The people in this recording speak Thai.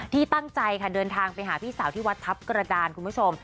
ตั้งใจค่ะเดินทางไปหาพี่สาวที่วัดทัพกระดานคุณผู้ชม